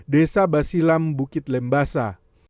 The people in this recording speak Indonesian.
desa besilam bukit lembasa